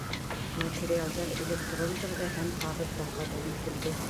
Материалдар электрон төрҙә һәм ҡағыҙҙа ҡабул ителде.